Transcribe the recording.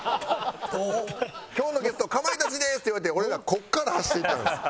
「今日のゲストかまいたちです」って言われて俺らここから走っていったんです。